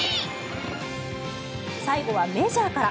最後はメジャーから。